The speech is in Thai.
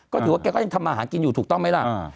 ก็ถือว่าแกก็ยังทำมาหากินอยู่ถูกต้องไหมล่ะ